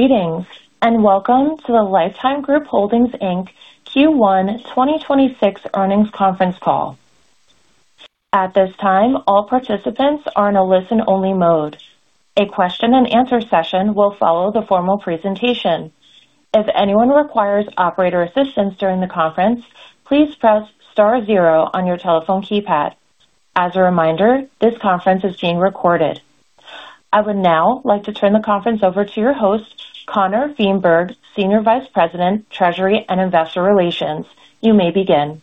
Greetings, welcome to the Life Time Group Holdings, Inc. Q1 2026 earnings conference call. At this time, all participants are on a listen-only mode. A question and answer session will follow the formal presentation. If anyone requires Operator assistance during the conference, please press star zero on your telephone keypad. As a reminder, this conference is being recorded. I would now like to turn the conference over to your host, Connor Wienberg, Senior Vice President, Treasury and Investor Relations. You may begin.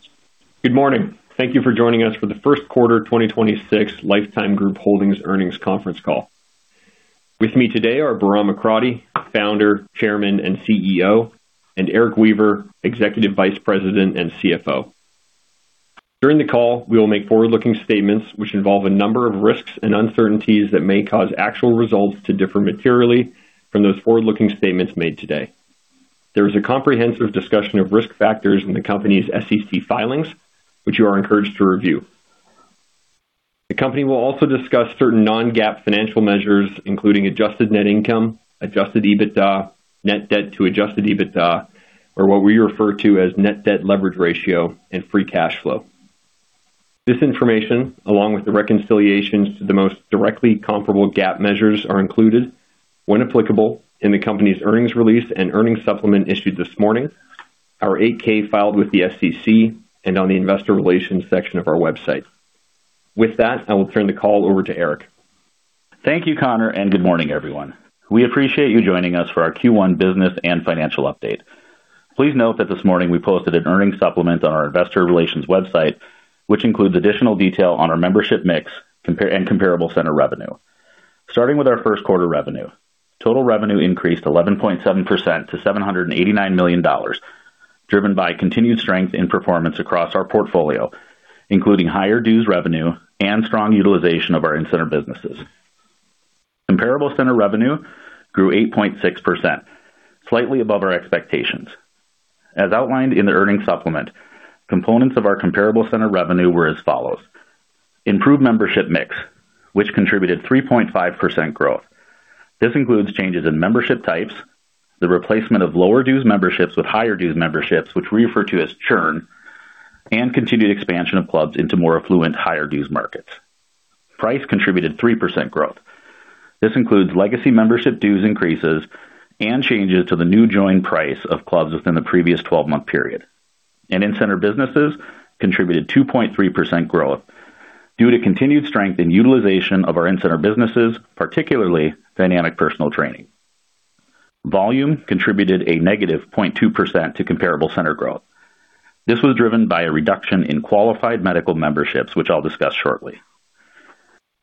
Good morning. Thank you for joining us for the first quarter 2026 Life Time Group Holdings earnings conference call. With me today are Bahram Akradi, Founder, Chairman, and CEO, and Erik Weaver, Executive Vice President and CFO. During the call, we will make forward-looking statements which involve a number of risks and uncertainties that may cause actual results to differ materially from those forward-looking statements made today. There is a comprehensive discussion of risk factors in the company's SEC filings, which you are encouraged to review. The company will also discuss certain non-GAAP financial measures, including adjusted net income, adjusted EBITDA, net debt to adjusted EBITDA, or what we refer to as net debt leverage ratio and free cash flow. This information, along with the reconciliations to the most directly comparable GAAP measures, are included, when applicable, in the company's earnings release and earnings supplement issued this morning, our 8-K filed with the SEC and on the investor relations section of our website. With that, I will turn the call over to Erik. Thank you, Connor. Good morning, everyone. We appreciate you joining us for our Q1 business and financial update. Please note that this morning we posted an earnings supplement on our investor relations website, which includes additional detail on our membership mix and comparable center revenue. Starting with our first quarter revenue. Total revenue increased 11.7% to $789 million, driven by continued strength in performance across our portfolio, including higher dues revenue and strong utilization of our in-center businesses. Comparable center revenue grew 8.6%, slightly above our expectations. As outlined in the earnings supplement, components of our comparable center revenue were as follows: Improved membership mix, which contributed 3.5% growth. This includes changes in membership types, the replacement of lower dues memberships with higher dues memberships, which we refer to as churn, and continued expansion of clubs into more affluent higher dues markets. Price contributed 3% growth. This includes legacy membership dues increases and changes to the new join price of clubs within the previous 12-month period. In-center businesses contributed 2.3% growth due to continued strength and utilization of our in-center businesses, particularly Dynamic Personal Training. Volume contributed a negative 0.2% to comparable center growth. This was driven by a reduction in qualified medical memberships, which I'll discuss shortly.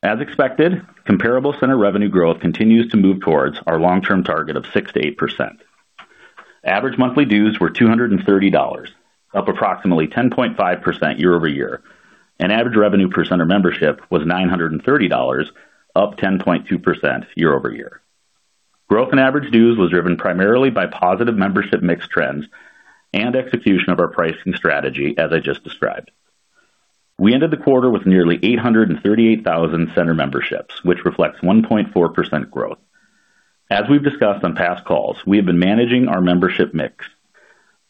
As expected, comparable center revenue growth continues to move towards our long-term target of 6%-8%. Average monthly dues were $230, up approximately 10.5% year-over-year, and average revenue per center membership was $930, up 10.2% year-over-year. Growth in average dues was driven primarily by positive membership mix trends and execution of our pricing strategy, as I just described. We ended the quarter with nearly 838,000 center memberships, which reflects 1.4% growth. As we've discussed on past calls, we have been managing our membership mix.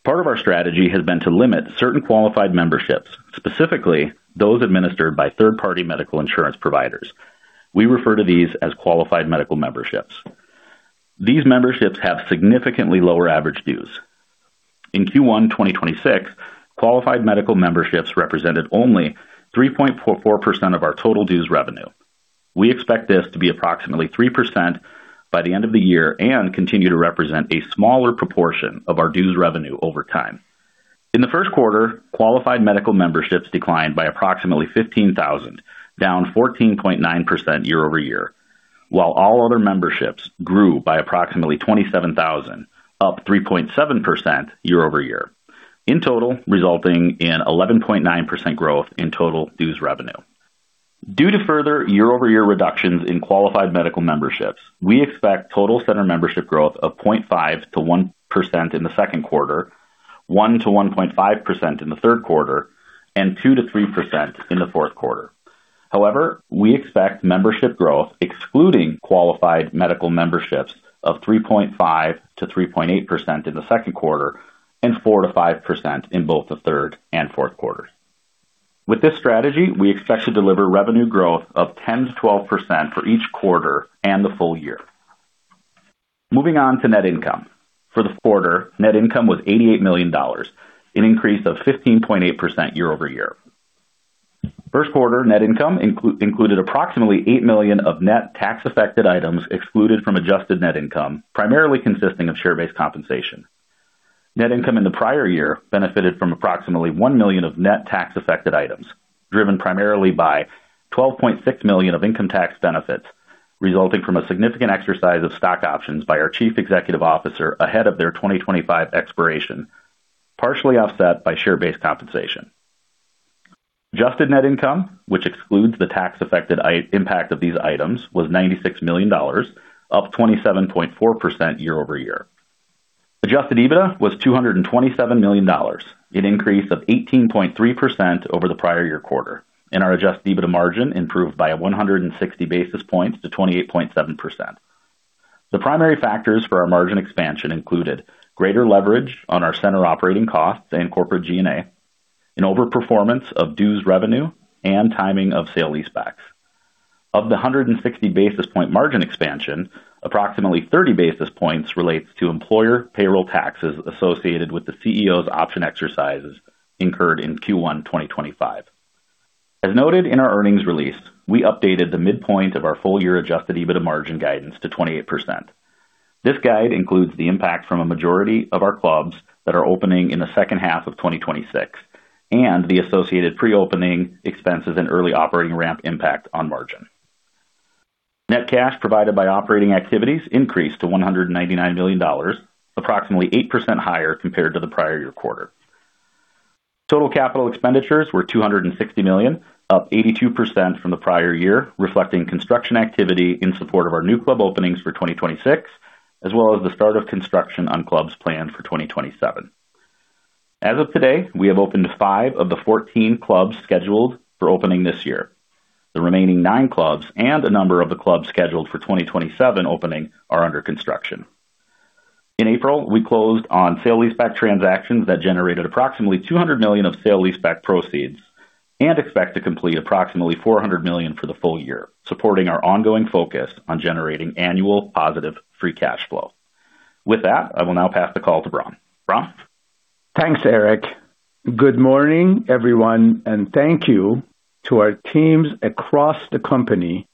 Part of our strategy has been to limit certain qualified memberships, specifically those administered by third-party medical insurance providers. We refer to these as qualified medical memberships. These memberships have significantly lower average dues. In Q1 2026, qualified medical memberships represented only 3.44% of our total dues revenue. We expect this to be approximately 3% by the end of the year and continue to represent a smaller proportion of our dues revenue over time. In the first quarter, qualified medical memberships declined by approximately 15,000, down 14.9% year-over-year, while all other memberships grew by approximately 27,000, up 3.7% year-over-year. In total, resulting in 11.9% growth in total dues revenue. Due to further year-over-year reductions in qualified medical memberships, we expect total center membership growth of 0.5%-1% in the second quarter, 1%-1.5% in the third quarter, and 2%-3% in the fourth quarter. However, we expect membership growth excluding qualified medical memberships of 3.5%-3.8% in the second quarter and 4%-5% in both the third and fourth quarters. With this strategy, we expect to deliver revenue growth of 10%-12% for each quarter and the full year. Moving on to net income. For the quarter, net income was $88 million, an increase of 15.8% year-over-year. First quarter net income included approximately $8 million of net tax-affected items excluded from adjusted net income, primarily consisting of share-based compensation. Net income in the prior year benefited from approximately $1 million of net tax-affected items, driven primarily by $12.6 million of income tax benefits resulting from a significant exercise of stock options by our Chief Executive Officer ahead of their 2025 expiration, partially offset by share-based compensation. Adjusted net income, which excludes the tax-affected impact of these items, was $96 million, up 27.4% year-over-year. Adjusted EBITDA was $227 million, an increase of 18.3% over the prior year quarter, and our adjusted EBITDA margin improved by 160 basis points to 28.7%. The primary factors for our margin expansion included greater leverage on our center operating costs and corporate G&A, an over-performance of dues revenue, and timing of sale-leasebacks. Of the 160 basis point margin expansion, approximately 30 basis points relates to employer payroll taxes associated with the CEO's option exercises incurred in Q1 2025. As noted in our earnings release, we updated the midpoint of our full year adjusted EBITDA margin guidance to 28%. This guide includes the impact from a majority of our clubs that are opening in the second half of 2026 and the associated pre-opening expenses and early operating ramp impact on margin. Net cash provided by operating activities increased to $199 million, approximately 8% higher compared to the prior year quarter. Total capital expenditures were $260 million, up 82% from the prior year, reflecting construction activity in support of our new club openings for 2026, as well as the start of construction on clubs planned for 2027. As of today, we have opened five of the 14 clubs scheduled for opening this year. The remaining nine clubs and a number of the clubs scheduled for 2027 opening are under construction. In April, we closed on sale-leaseback transactions that generated approximately $200 million of sale-leaseback proceeds and expect to complete approximately $400 million for the full year, supporting our ongoing focus on generating annual positive free cash flow. With that, I will now pass the call to Bahram. Bahram? Thanks, Erik. Good morning, everyone. Thank you to our teams across the company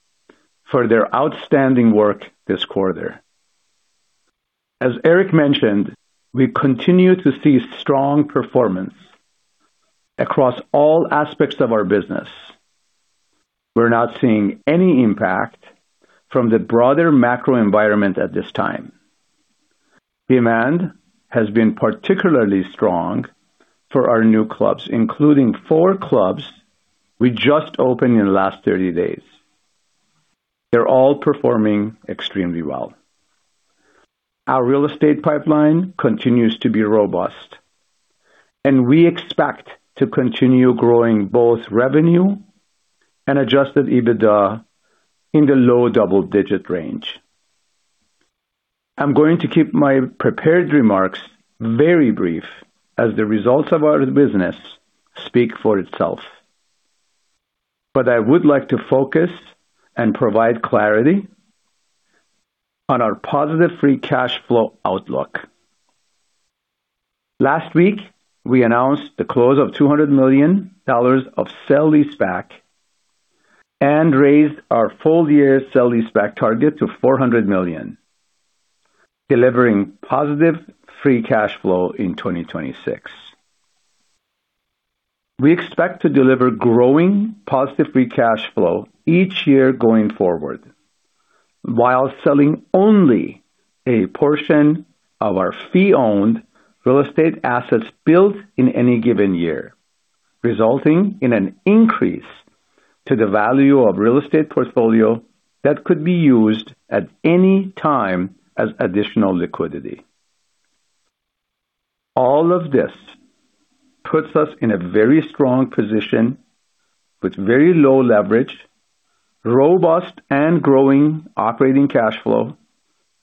for their outstanding work this quarter. As Erik mentioned, we continue to see strong performance across all aspects of our business. We're not seeing any impact from the broader macro environment at this time. Demand has been particularly strong for our new clubs, including four clubs we just opened in the last 30 days. They're all performing extremely well. Our real estate pipeline continues to be robust. We expect to continue growing both revenue and adjusted EBITDA in the low double-digit range. I'm going to keep my prepared remarks very brief as the results of our business speak for itself. I would like to focus and provide clarity on our positive free cash flow outlook. Last week, we announced the close of $200 million of sale-leaseback and raised our full-year sale-leaseback target to $400 million, delivering positive free cash flow in 2026. We expect to deliver growing positive free cash flow each year going forward, while selling only a portion of our fee owned real estate assets built in any given year, resulting in an increase to the value of real estate portfolio that could be used at any time as additional liquidity. All of this puts us in a very strong position with very low leverage, robust and growing operating cash flow,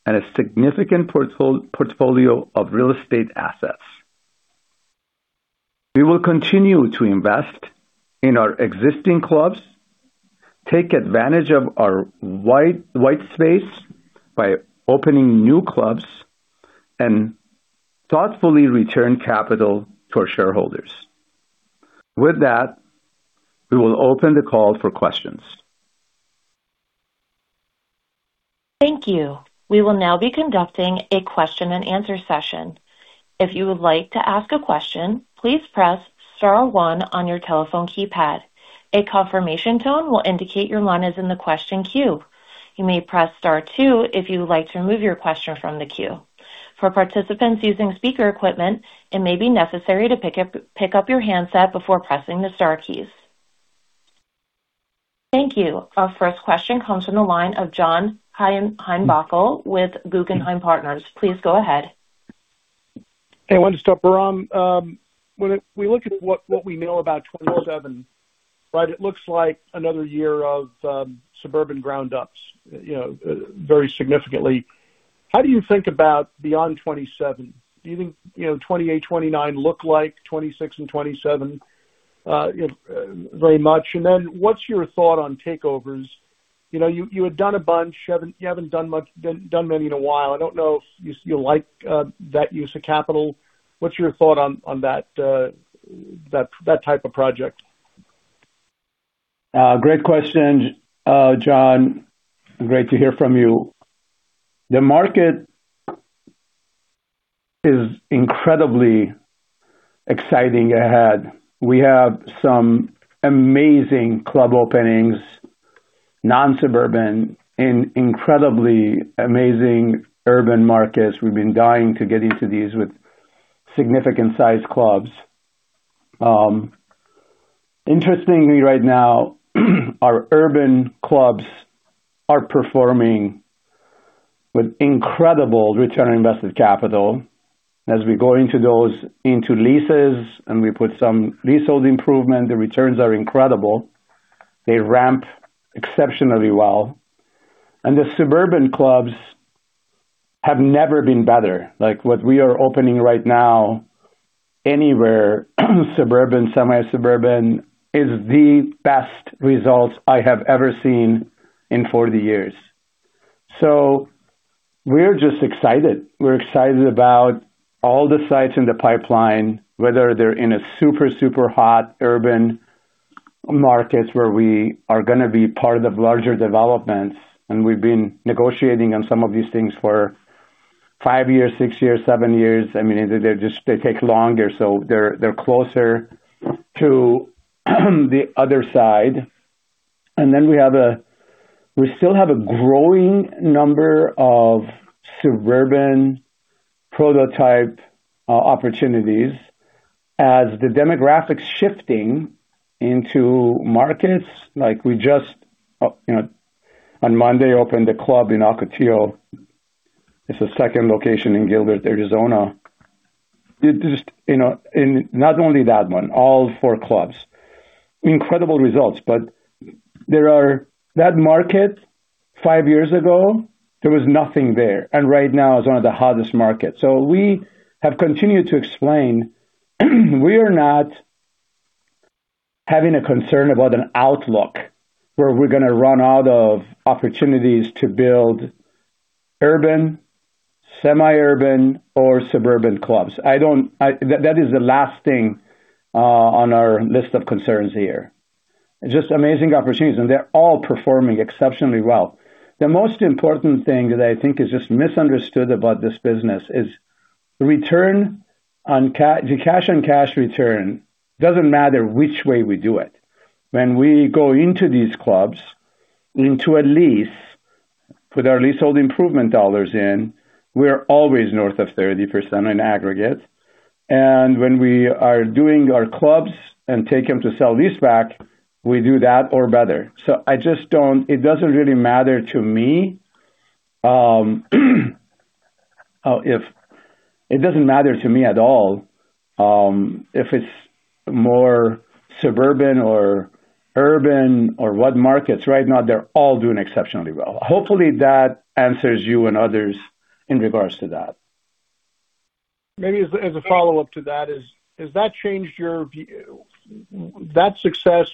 and a significant portfolio of real estate assets. We will continue to invest in our existing clubs, take advantage of our wide space by opening new clubs, and thoughtfully return capital to our shareholders. With that, we will open the call for questions. Thank you. We will now be conducting a question and answer session. If you would like to ask a question, please press star one on your telephone keypad. A confirmation tone will indicate your line is in the question queue. You may press star two if you would like to remove your question from the queue. For participants using speaker equipment, it may be necessary to pick up your handset before pressing the star keys. Thank you. Our first question comes from the line of John Heinbockel with Guggenheim Partners. Please go ahead. Hey, wonderful. Bahram, when we look at what we know about 2027, right? It looks like another year of suburban ground ups, you know, very significantly. How do you think about beyond 2027? Do you think, you know, 2028, 2029 look like 2026 and 2027, you know, very much? What's your thought on takeovers? You know, you had done a bunch. You haven't, you haven't done many in a while. I don't know if you like that use of capital. What's your thought on that type of project? Great question, John. Great to hear from you. The market is incredibly exciting ahead. We have some amazing club openings, non-suburban and incredibly amazing urban markets. We've been dying to get into these with significant sized clubs. Interestingly, right now our urban clubs are performing with incredible return on invested capital. As we go into those, into leases, and we put some leasehold improvement, the returns are incredible. They ramp exceptionally well. The suburban clubs have never been better. Like, what we are opening right now anywhere, suburban, semi-suburban, is the best results I have ever seen in 40 years. We're just excited. We're excited about all the sites in the pipeline, whether they're in a super hot urban markets where we are gonna be part of larger developments, and we've been negotiating on some of these things for five years, six years, seven years. I mean, they just, they take longer. They're closer to the other side. We still have a growing number of suburban prototype opportunities as the demographics shifting into markets. Like, we just, you know, on Monday, opened a club in Ocotillo. It's the second location in Gilbert, Arizona. It just, you know, not only that one, all four clubs, incredible results. There are That market, five years ago, there was nothing there. Right now is one of the hottest markets. We have continued to explain, we are not having a concern about an outlook where we're gonna run out of opportunities to build urban, semi-urban or suburban clubs. That is the last thing on our list of concerns here. Just amazing opportunities. They're all performing exceptionally well. The most important thing that I think is just misunderstood about this business is return on the cash and cash return doesn't matter which way we do it. When we go into these clubs, into a lease, put our leasehold improvement dollars in, we're always north of 30% in aggregate. When we are doing our clubs and take them to sale-leaseback, we do that or better. It doesn't matter to me at all if it's more suburban or urban or what markets. Right now, they're all doing exceptionally well. Hopefully, that answers you and others in regards to that. Maybe as a follow-up to that, has that changed your view, that success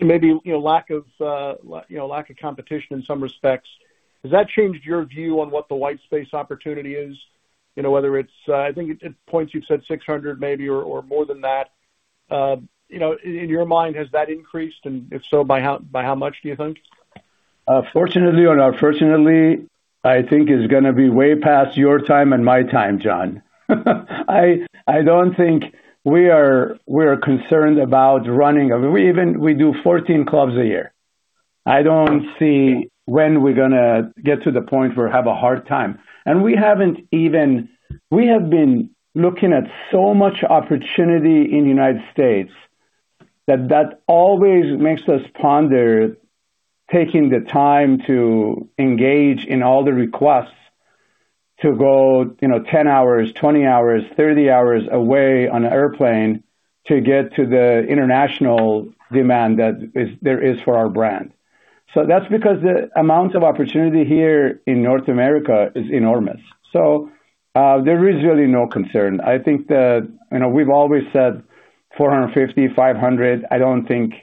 maybe, you know, lack of, you know, lack of competition in some respects, has that changed your view on what the white space opportunity is? You know, whether it's I think at points you've said 600 maybe or more than that. You know, in your mind, has that increased, and if so, by how much do you think? Fortunately or unfortunately, I think it's going to be way past your time and my time, John. I don't think we are concerned about running. We do 14 clubs a year. I don't see when we're going to get to the point where we have a hard time. We have been looking at so much opportunity in the United States that that always makes us ponder taking the time to engage in all the requests to go, you know, 10 hours, 20 hours, 30 hours away on an airplane to get to the international demand there is for our brand. That's because the amount of opportunity here in North America is enormous. There is really no concern. I think that, you know, we've always said 450, 500. I don't think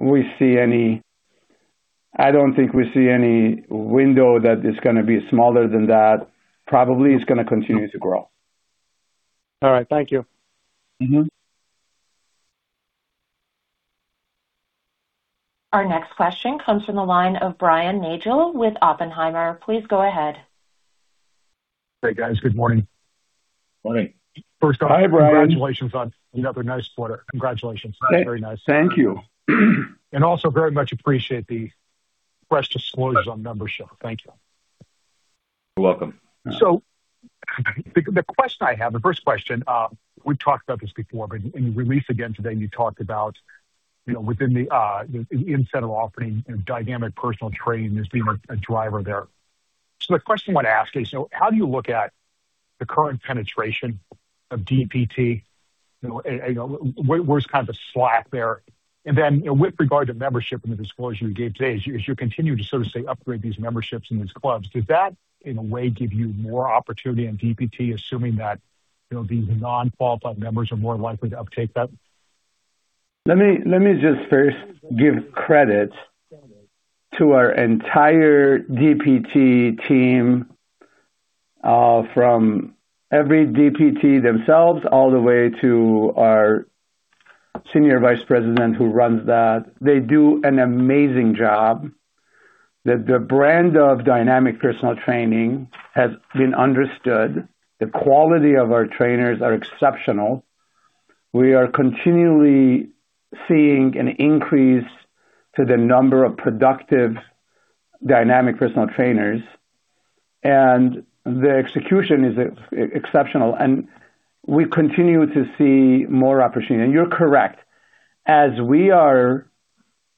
we see any window that is gonna be smaller than that. Probably, it's gonna continue to grow. All right. Thank you. Our next question comes from the line of Brian Nagel with Oppenheimer. Please go ahead. Hey, guys. Good morning. Morning. First off- Hi, Brian. Congratulations on another nice quarter. Congratulations. Thank- Very nice. Thank you. Also very much appreciate the fresh disclosures on membership. Thank you. You're welcome. The question I have, the first question, we've talked about this before, but in the release again today, you talked about, you know, within the in-center offering, you know, Dynamic Personal Training as being a driver there. The question I want to ask is, you know, how do you look at the current penetration of DPT? You know, and, you know, where's kind of the slack there? Then, you know, with regard to membership and the disclosure you gave today, as you, as you continue to sort of say, upgrade these memberships in these clubs, does that in a way give you more opportunity in DPT, assuming that, you know, these non-qualified members are more likely to uptake that? Let me just first give credit to our entire DPT team, from every DPT themselves all the way to our senior vice president who runs that. They do an amazing job. The brand of Dynamic Personal Training has been understood. The quality of our trainers are exceptional. We are continually seeing an increase to the number of productive dynamic personal trainers. The execution is exceptional, and we continue to see more opportunity. You're correct. As we are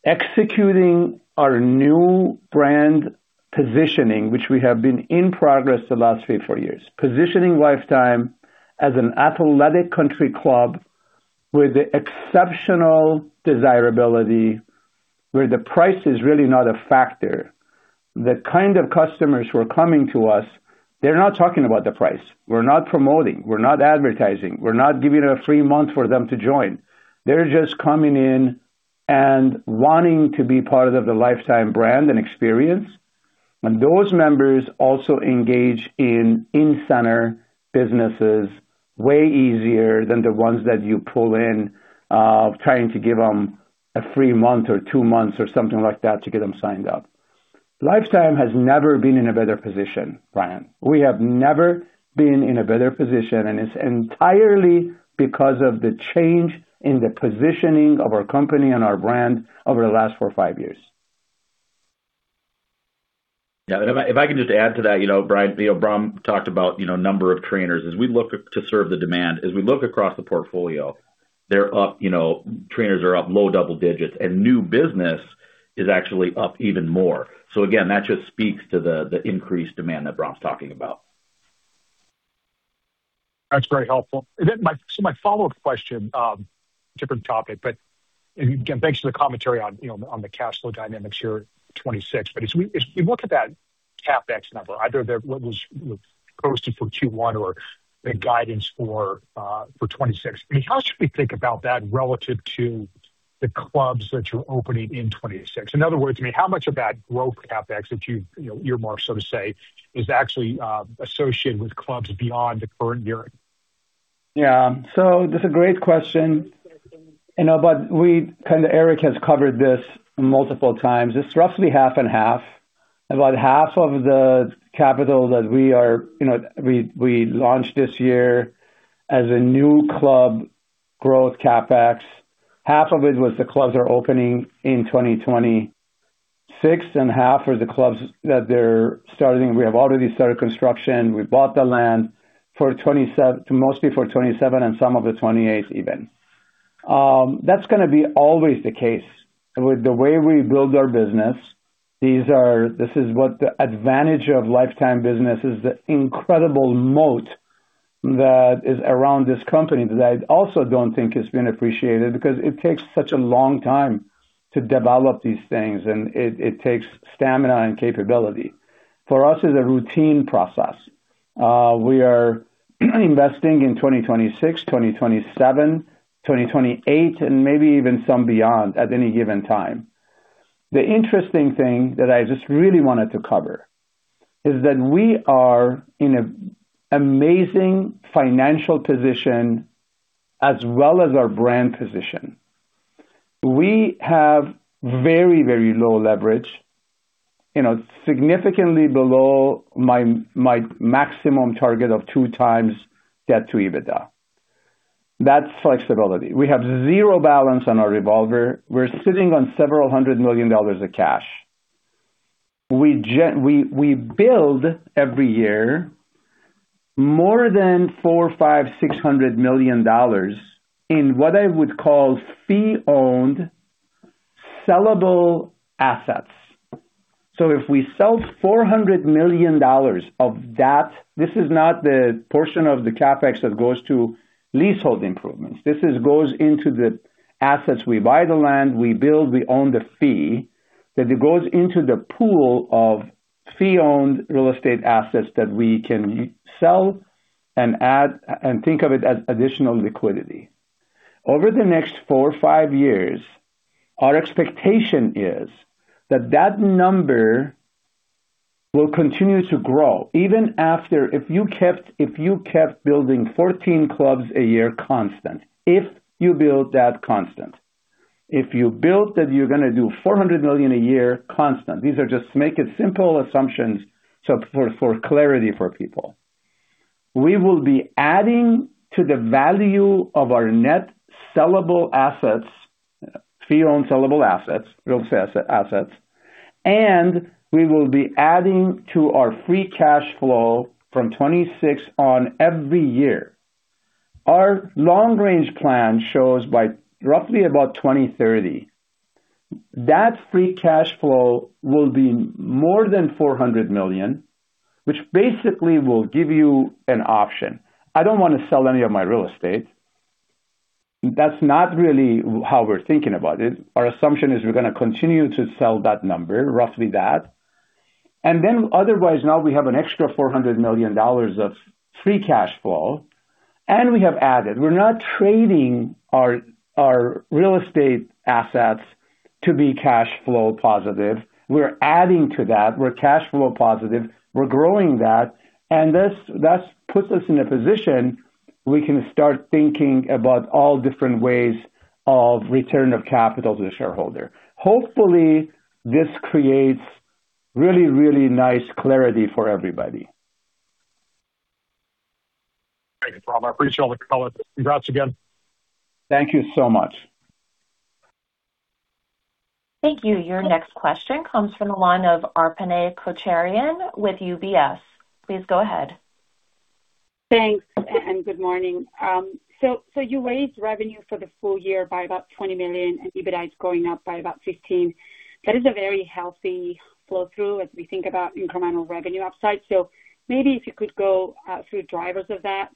executing our new brand positioning, which we have been in progress the last three, four years, positioning Life Time as an athletic country club with exceptional desirability, where the price is really not a factor. The kind of customers who are coming to us, they're not talking about the price. We're not promoting, we're not advertising, we're not giving a free month for them to join. They're just coming in and wanting to be part of the Life Time brand and experience. Those members also engage in in-center businesses way easier than the ones that you pull in, trying to give them a free month or two months or something like that to get them signed up. Life Time has never been in a better position, Brian. We have never been in a better position, it's entirely because of the change in the positioning of our company and our brand over the last four or five years. Yeah. If I can just add to that, you know, Brian, you know, Bahram talked about, you know, number of trainers. As we look to serve the demand, as we look across the portfolio, they're up, you know, trainers are up low double digits, and new business is actually up even more. Again, that just speaks to the increased demand that Bahram's talking about. That's very helpful. My so my follow-up question, different topic, again, thanks for the commentary on, you know, on the cash flow dynamics here in 2026. If we look at that CapEx number, either the, what was posted for Q1 or the guidance for 2026, I mean, how should we think about that relative to the clubs that you're opening in 2026? In other words, I mean, how much of that growth CapEx that you know, earmark, so to say, is actually associated with clubs beyond the current year? That's a great question. Erik has covered this multiple times. It's roughly half and half. About half of the capital that we are launched this year as a new club growth CapEx. Half of it was the clubs are opening in 2026, and half are the clubs that they're starting. We have already started construction. We bought the land mostly for 2027 and some of the 2028 even. That's gonna be always the case. With the way we build our business, this is what the advantage of Life Time business is the incredible moat that is around this company that I also don't think has been appreciated because it takes such a long time to develop these things, and it takes stamina and capability. For us, it's a routine process. We are investing in 2026, 2027, 2028, and maybe even some beyond at any given time. The interesting thing that I just really wanted to cover is that we are in an amazing financial position as well as our brand position. We have very, very low leverage, you know, significantly below my maximum target of 2x debt to EBITDA. That's flexibility. We have zero balance on our revolver. We're sitting on several hundred million dollars of cash. We build every year more than $400 million, $500 million, $600 million in what I would call fee-owned sellable assets. If we sell $400 million of that, this is not the portion of the CapEx that goes to leasehold improvements. This goes into the assets. We buy the land, we build, we own the fee, that it goes into the pool of fee-owned real estate assets that we can sell and add and think of it as additional liquidity. Over the next four or five years, our expectation is that number will continue to grow. If you kept building 14 clubs a year constant, if you build that constant. If you built that you're gonna do $400 million a year constant. These are just to make it simple assumptions so for clarity for people. We will be adding to the value of our net sellable assets, fee-owned sellable assets, real estate assets, and we will be adding to our free cash flow from 2026 on every year. Our long-range plan shows by roughly about 2030, that free cash flow will be more than $400 million, which basically will give you an option. I don't wanna sell any of my real estate. That's not really how we're thinking about it. Our assumption is we're gonna continue to sell that number, roughly that. Otherwise, now we have an extra $400 million of free cash flow, and we have added. We're not trading our real estate assets to be cash flow positive. We're adding to that. We're cash flow positive. We're growing that. That puts us in a position we can start thinking about all different ways of return of capital to the shareholder. Hopefully, this creates really nice clarity for everybody. Thank you, Bahram. I appreciate all the color. Congrats again. Thank you so much. Thank you. Your next question comes from the line of Arpine Kocharian with UBS. Please go ahead. Thanks, and good morning. You raised revenue for the full year by about $20 million and EBITDA is growing up by about $15 million. That is a very healthy flow through as we think about incremental revenue upside. Maybe if you could go through drivers of that.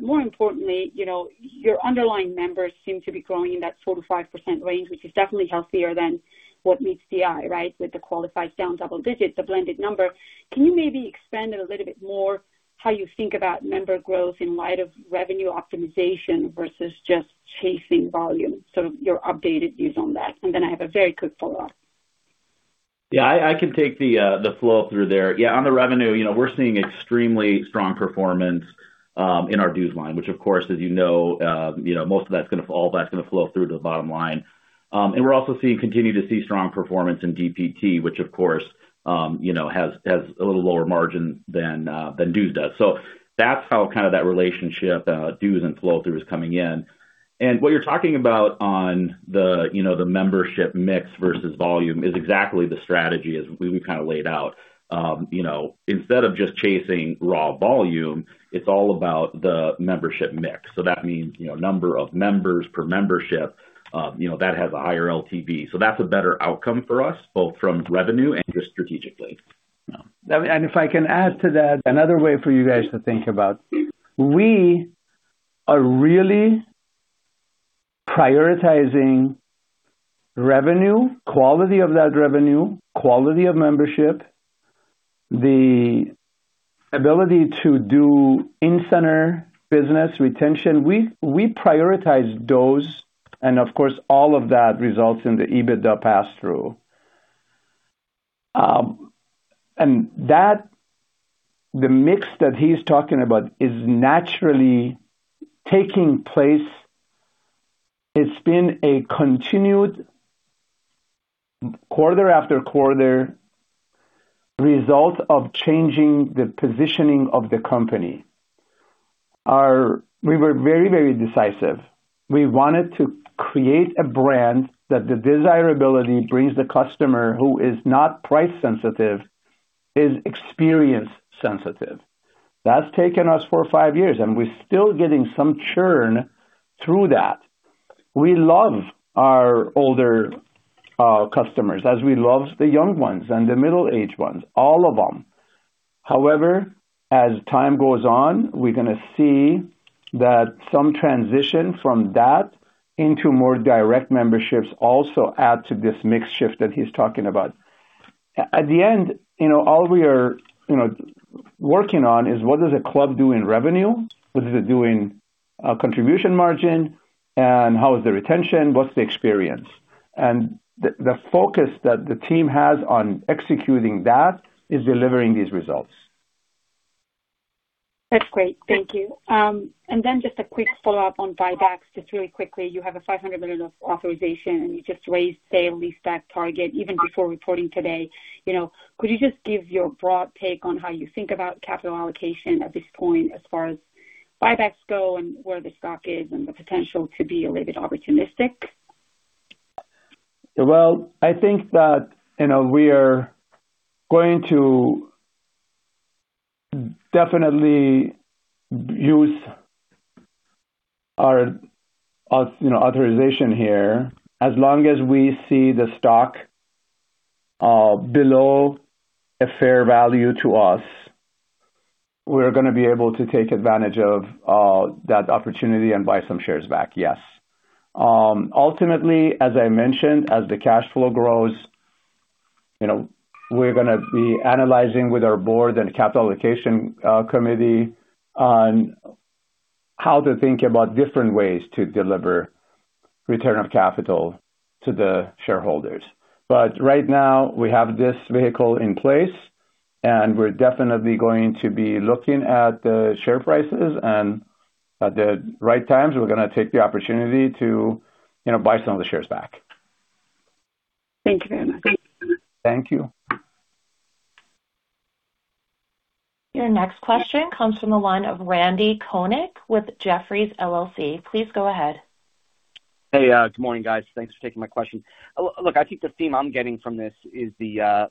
More importantly, you know, your underlying members seem to be growing in that 4%-5% range, which is definitely healthier than what meets the eye, right? With the qualified down double digits, a blended number. Can you maybe expand it a little bit more, how you think about member growth in light of revenue optimization versus just chasing volume? Your updated views on that. I have a very quick follow-up. Yeah, I can take the flow through there. Yeah, on the revenue, you know, we're seeing extremely strong performance in our dues line, which of course, as you know, most of that's gonna all that's gonna flow through to the bottom line. And we're also seeing, continue to see strong performance in DPT, which of course, you know, has a little lower margin than dues does. That's how kind of that relationship, dues and flow through is coming in. What you're talking about on the, you know, the membership mix versus volume is exactly the strategy as we kind of laid out. You know, instead of just chasing raw volume, it's all about the membership mix. That means, you know, number of members per membership, you know, that has a higher LTV. That's a better outcome for us, both from revenue and just strategically. If I can add to that, another way for you guys to think about. We are really prioritizing revenue, quality of that revenue, quality of membership, the ability to do in-center business retention. We prioritize those and of course, all of that results in the EBITDA pass through. That, the mix that he's talking about is naturally taking place. It's been a continued quarter after quarter result of changing the positioning of the company. We were very decisive. We wanted to create a brand that the desirability brings the customer who is not price sensitive, is experience sensitive. That's taken us four, five years, we're still getting some churn through that. We love our older customers as we love the young ones and the middle-aged ones, all of them. However, as time goes on, we're gonna see that some transition from that into more direct memberships also add to this mix shift that he's talking about. At the end, you know, all we are, you know, working on is what does a club do in revenue? What is it doing, contribution margin? How is the retention? What's the experience? The focus that the team has on executing that is delivering these results. That's great. Thank you. Then just a quick follow-up on buybacks, just really quickly. You have a $500 million of authorization, and you just raised, say, at least that target even before reporting today. You know, could you just give your broad take on how you think about capital allocation at this point as far as buybacks go and where the stock is and the potential to be a little bit opportunistic? I think that, you know, we are going to definitely use our authorization here. As long as we see the stock below a fair value to us, we're gonna be able to take advantage of that opportunity and buy some shares back, yes. Ultimately, as I mentioned, as the cash flow grows, you know, we're gonna be analyzing with our board and capital allocation committee on how to think about different ways to deliver return of capital to the shareholders. Right now, we have this vehicle in place, and we're definitely going to be looking at the share prices and at the right times, we're gonna take the opportunity to, you know, buy some of the shares back. Thank you very much. Thank you. Your next question comes from the line of Randal Konik with Jefferies LLC. Please go ahead. Hey, good morning, guys. Thanks for taking my question. Look, I think the theme I'm getting from this is the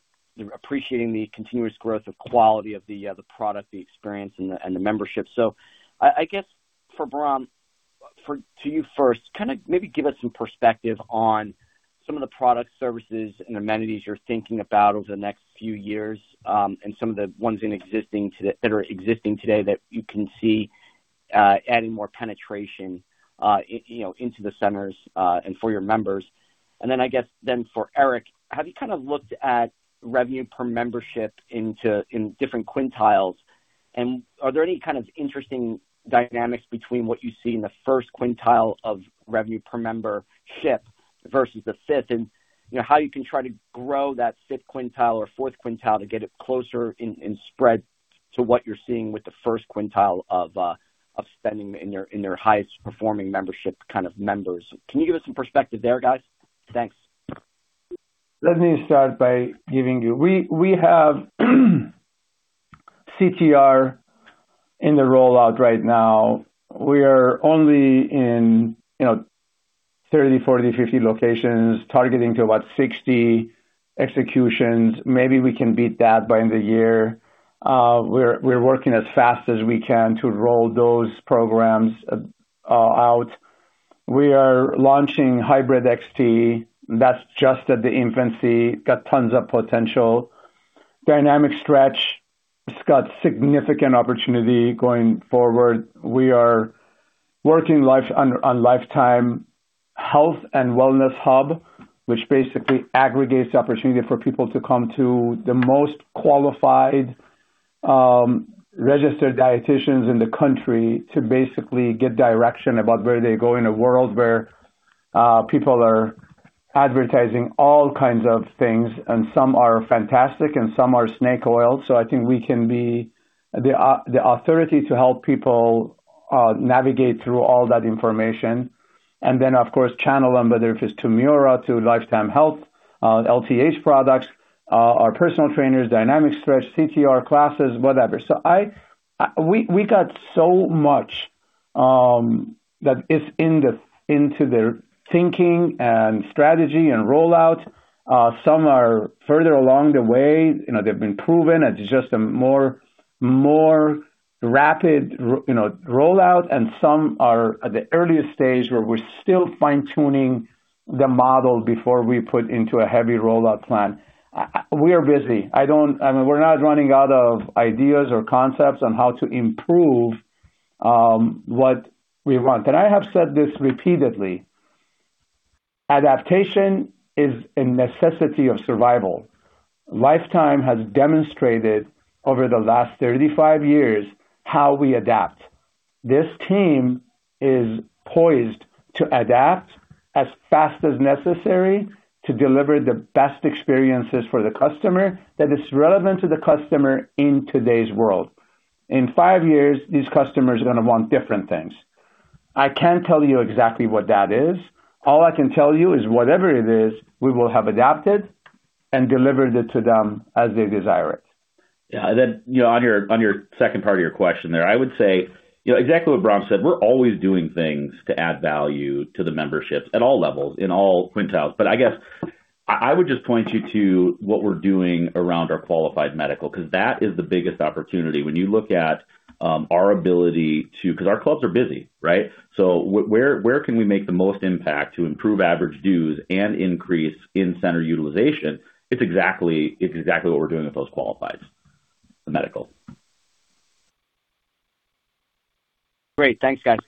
appreciating the continuous growth of quality of the product, the experience, and the membership. I guess for Bahram, to you first, kind of maybe give us some perspective on some of the product services and amenities you're thinking about over the next few years, and some of the ones that are existing today that you can see adding more penetration, you know, into the centers, and for your members. I guess for Erik, have you kind of looked at revenue per membership in different quintiles? Are there any kind of interesting dynamics between what you see in the first quintile of revenue per membership versus the fifth? You know, how you can try to grow that fifth quintile or fourth quintile to get it closer in spread to what you're seeing with the first quintile of spending in their, in their highest performing membership kind of members. Can you give us some perspective there, guys? Thanks. Let me start by giving you. We have CTR in the rollout right now. We are only in, you know, 30, 40, 50 locations, targeting to about 60 executions. Maybe we can beat that by end of year. We're working as fast as we can to roll those programs out. We are launching HYBRID XT. That's just at the infancy. It's got tons of potential. Dynamic Stretch has got significant opportunity going forward. We are working on Life Time health and wellness hub, which basically aggregates the opportunity for people to come to the most qualified registered dieticians in the country to basically get direction about where they go in a world where people are advertising all kinds of things, and some are fantastic and some are snake oil. I think we can be the authority to help people navigate through all that information. Of course, channel them, whether if it's to MIORA, to Life Time Health, LTH products, our personal trainers, Dynamic Stretch, CTR classes, whatever. We got so much that is into the thinking and strategy and rollout. Some are further along the way. You know, they've been proven, and it's just a more rapid, you know, rollout. Some are at the earliest stage where we're still fine-tuning the model before we put into a heavy rollout plan. We are busy. I mean, we're not running out of ideas or concepts on how to improve what we want. I have said this repeatedly, adaptation is a necessity of survival. Life Time has demonstrated over the last 35 years how we adapt. This team is poised to adapt as fast as necessary to deliver the best experiences for the customer that is relevant to the customer in today's world. In five years, these customers are gonna want different things. I can't tell you exactly what that is. All I can tell you is whatever it is, we will have adapted and delivered it to them as they desire it. Yeah. Then, you know, on your second part of your question there, I would say, you know, exactly what Bahram said. We're always doing things to add value to the memberships at all levels, in all quintiles. I guess I would just point you to what we're doing around our qualified medical, 'cause that is the biggest opportunity. When you look at, 'cause our clubs are busy, right? Where can we make the most impact to improve average dues and increase in-center utilization? It's exactly what we're doing with those qualified, the medical. Great. Thanks, guys.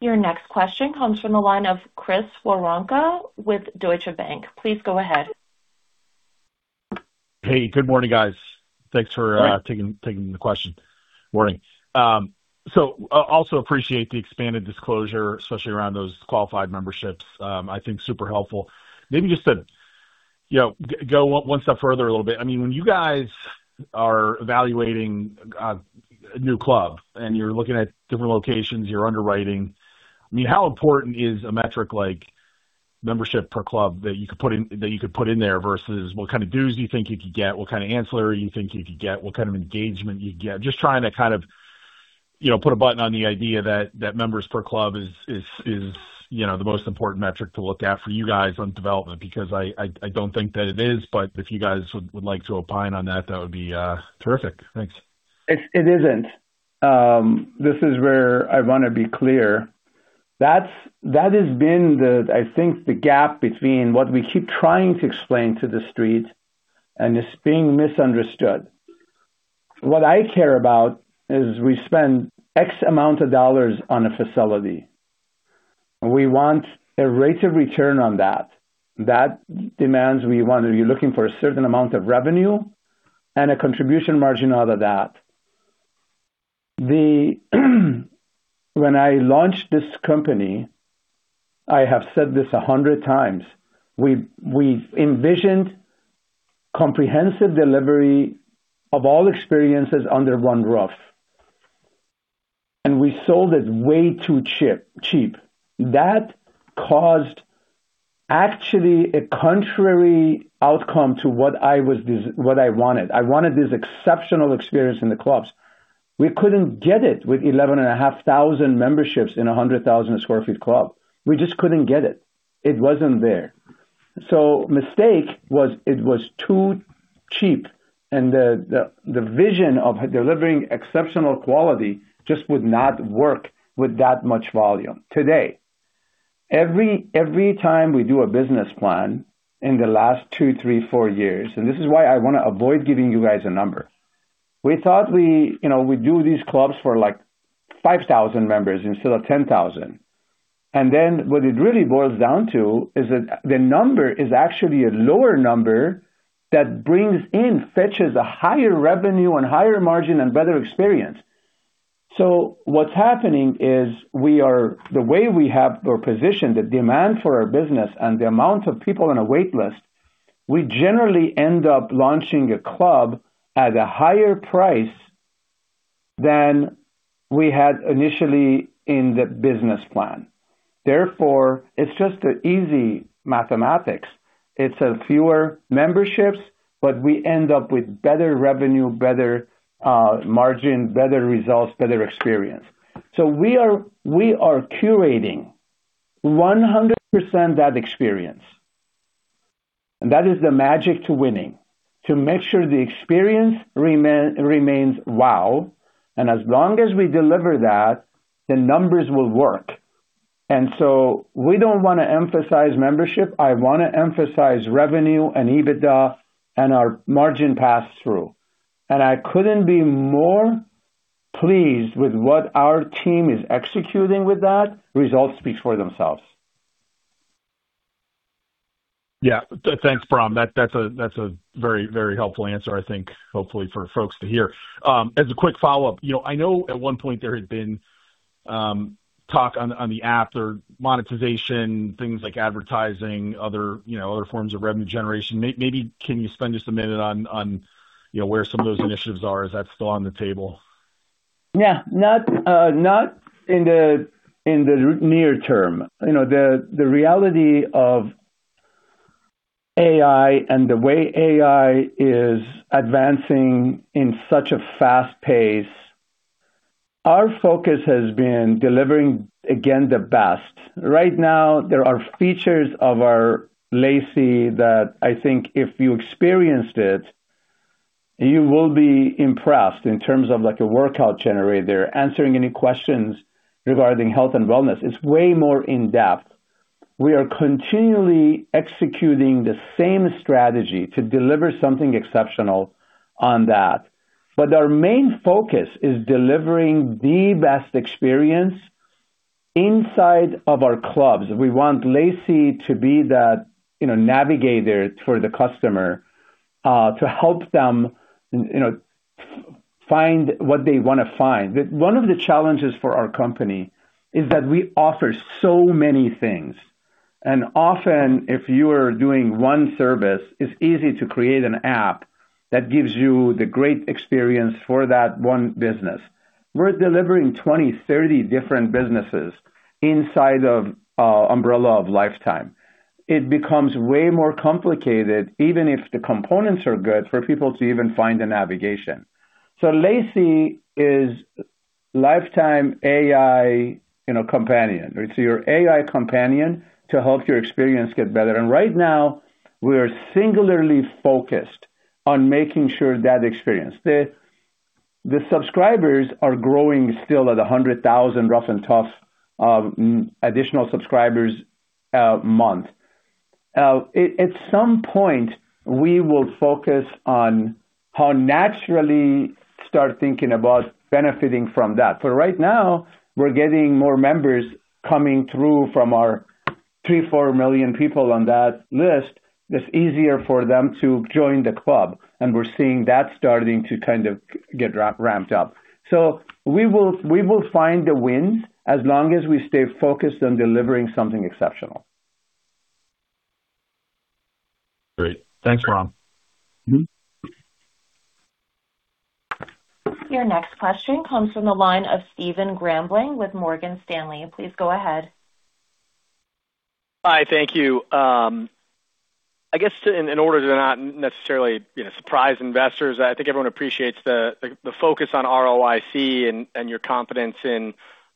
Your next question comes from the line of Chris Woronka with Deutsche Bank. Please go ahead. Hey, good morning, guys. Thanks for. Hi taking the question. Morning. Also appreciate the expanded disclosure, especially around those qualified memberships. I think super helpful. Maybe just to, you know, go one step further a little bit. I mean, when you guys are evaluating a new club and you're looking at different locations, you're underwriting, I mean, how important is a metric like membership per club that you could put in, that you could put in there versus what kind of dues you think you could get, what kind of ancillary you think you could get, what kind of engagement you'd get? Just trying to kind of, you know, put a button on the idea that members per club is, you know, the most important metric to look at for you guys on development, because I don't think that it is. If you guys would like to opine on that would be terrific. Thanks. It isn't. This is where I want to be clear. That has been the, I think the gap between what we keep trying to explain to the street and it's being misunderstood. What I care about is we spend X amount of dollars on a facility. We want a rate of return on that. That demands we want to be looking for a certain amount of revenue and a contribution margin out of that. When I launched this company, I have said this 100 times, we envisioned comprehensive delivery of all experiences under one roof, and we sold it way too cheap. That caused actually a contrary outcome to what I wanted. I wanted this exceptional experience in the clubs. We couldn't get it with 11,500 memberships in a 100,000 sq ft club. We just couldn't get it. It wasn't there. Mistake was it was too cheap, and the vision of delivering exceptional quality just would not work with that much volume. Today, every time we do a business plan in the last two, three, four years, this is why I want to avoid giving you guys a number. We thought we, you know, we do these clubs for like 5,000 members instead of 10,000. What it really boils down to is that the number is actually a lower number that brings in, fetches a higher revenue and higher margin and better experience. What's happening is the way we have or position the demand for our business and the amount of people on a waitlist, we generally end up launching a club at a higher price than we had initially in the business plan. Therefore, it's just an easy mathematics. It's fewer memberships, but we end up with better revenue, better margin, better results, better experience. We are curating 100% that experience. That is the magic to winning, to make sure the experience remains wow. As long as we deliver that, the numbers will work. We don't wanna emphasize membership. I wanna emphasize revenue and EBITDA and our margin pass-through. I couldn't be more pleased with what our team is executing with that. Results speak for themselves. Thanks, Bahram. That's a very, very helpful answer, I think, hopefully for folks to hear. As a quick follow-up, you know, I know at one point there had been talk on the app or monetization, things like advertising, other, you know, other forms of revenue generation. Maybe can you spend just a minute on, you know, where some of those initiatives are? Is that still on the table? Yeah. Not, not in the near term. You know, the reality of AI and the way AI is advancing in such a fast pace, our focus has been delivering, again, the best. Right now, there are features of our L.AI.C that I think if you experienced it, you will be impressed in terms of like a workout generator, answering any questions regarding health and wellness. It's way more in-depth. We are continually executing the same strategy to deliver something exceptional on that. Our main focus is delivering the best experience inside of our clubs. We want L.AI.C to be that, you know, navigator for the customer, to help them, you know, find what they wanna find. One of the challenges for our company is that we offer so many things. Often, if you are doing one service, it's easy to create an app that gives you the great experience for that one business. We're delivering 20, 30 different businesses inside of our umbrella of Life Time. It becomes way more complicated, even if the components are good, for people to even find the navigation. L.AI.C is Life Time AI, you know, companion. It's your AI companion to help your experience get better. Right now, we're singularly focused on making sure that experience. The subscribers are growing still at 100,000 rough and tough additional subscribers month. At some point, we will focus on how naturally start thinking about benefiting from that. Right now, we're getting more members coming through from our 3, 4 million people on that list. It's easier for them to join the club, and we're seeing that starting to kind of get ramped up. We will find the wins as long as we stay focused on delivering something exceptional. Great. Thanks, Bahram. Your next question comes from the line of Stephen Grambling with Morgan Stanley. Please go ahead. Hi. Thank you. I guess in order to not necessarily, you know, surprise investors, I think everyone appreciates the focus on ROIC and your confidence in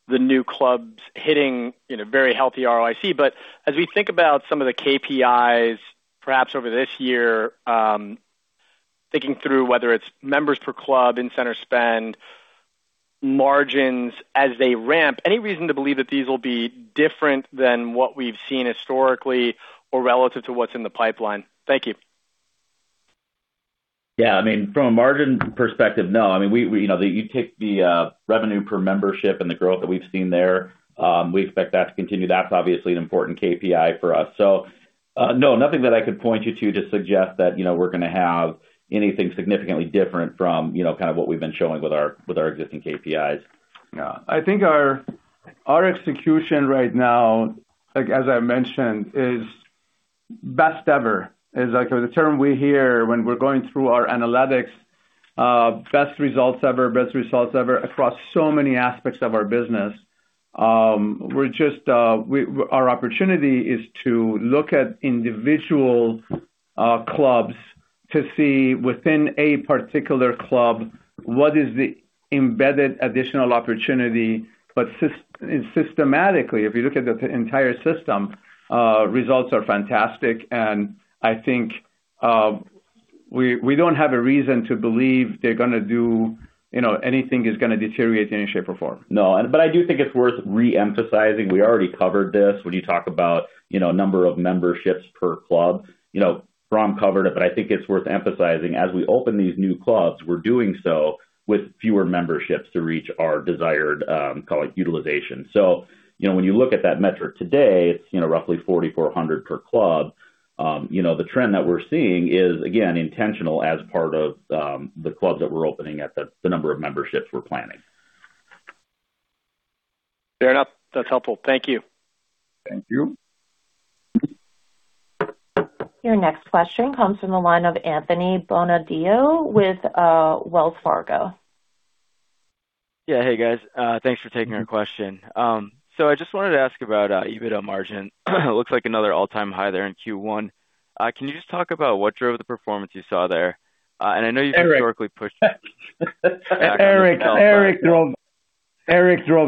the new clubs hitting, you know, very healthy ROIC. As we think about some of the KPIs perhaps over this year, thinking through whether it's members per club, in-center spend, margins as they ramp, any reason to believe that these will be different than what we've seen historically or relative to what's in the pipeline? Thank you. Yeah. I mean, from a margin perspective, no. I mean, we, you know, revenue per membership and the growth that we've seen there, we expect that to continue. That's obviously an important KPI for us. No, nothing that I could point you to to suggest that, you know, we're gonna have anything significantly different from, you know, kind of what we've been showing with our existing KPIs. Yeah. I think our execution right now, like as I mentioned, is best ever, is like, the term we hear when we're going through our analytics, best results ever across so many aspects of our business. We're just, our opportunity is to look at individual clubs to see within a particular club what is the embedded additional opportunity. Systematically, if you look at the entire system, results are fantastic and I think we don't have a reason to believe they're gonna do, you know, anything is gonna deteriorate in any shape or form. No. I do think it's worth re-emphasizing. We already covered this when you talk about, you know, number of memberships per club. You know, Ram covered it, but I think it's worth emphasizing. As we open these new clubs, we're doing so with fewer memberships to reach our desired, call it, utilization. You know, when you look at that metric today, it's, you know, roughly 4,400 per club. You know, the trend that we're seeing is, again, intentional as part of the clubs that we're opening at the number of memberships we're planning. Fair enough. That's helpful. Thank you. Thank you. Your next question comes from the line of Anthony Bonadio with Wells Fargo. Yeah. Hey, guys. Thanks for taking our question. I just wanted to ask about EBITDA margin. It looks like another all-time high there in Q1. Can you just talk about what drove the performance you saw there? I know you've historically pushed- Erik. Erik drove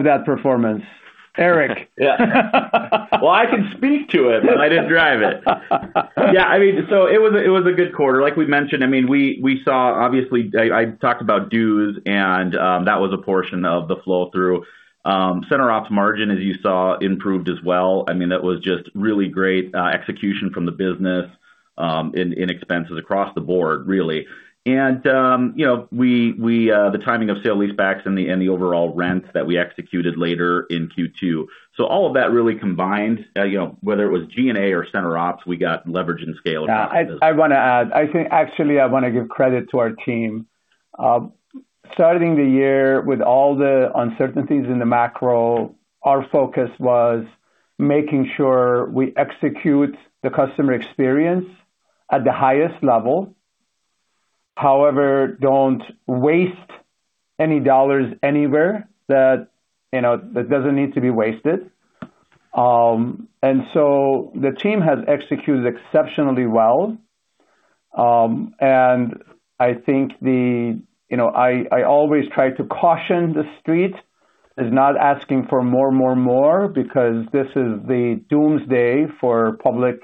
that performance. Erik. Yeah. Well, I can speak to it, but I didn't drive it. I mean, it was a good quarter. Like we mentioned, I mean, we saw Obviously, I talked about dues and that was a portion of the flow through. Center ops margin, as you saw, improved as well. I mean, that was just really great execution from the business in expenses across the board, really. You know, we the timing of sale-leaseback and the overall rents that we executed later in Q2. All of that really combined, you know, whether it was G&A or center ops, we got leverage and scale across the business. Yeah. I wanna add. I think actually I wanna give credit to our team. Starting the year with all the uncertainties in the macro, our focus was making sure we execute the customer experience at the highest level. However, don't waste any dollars anywhere that, you know, that doesn't need to be wasted. The team has executed exceptionally well. I think You know, I always try to caution the street is not asking for more, more, more because this is the doomsday for public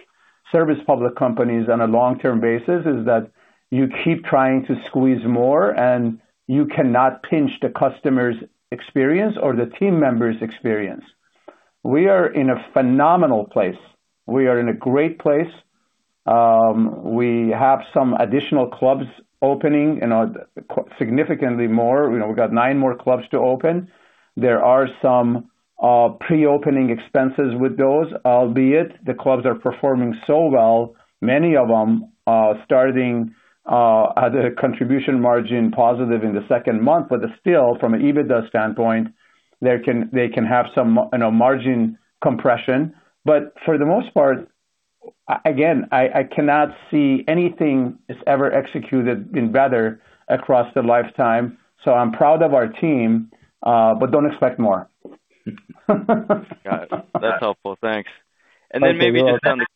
service public companies on a long-term basis, is that you keep trying to squeeze more and you cannot pinch the customer's experience or the team members' experience. We are in a phenomenal place. We are in a great place. We have some additional clubs opening, you know, significantly more. You know, we've got nine more clubs to open. There are some pre-opening expenses with those, albeit the clubs are performing so well, many of them starting at a contribution margin positive in the second month. Still, from an EBITDA standpoint, they can have some, you know, margin compression. For the most part, again, I cannot see anything is ever executed, been better across the Life Time. I'm proud of our team, but don't expect more. Got it. That's helpful. Thanks. Maybe we'll. Maybe just on the